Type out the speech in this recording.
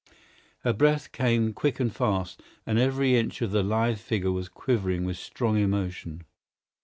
Her breath came quick and fast, and every inch of the lithe figure was quivering with strong emotion.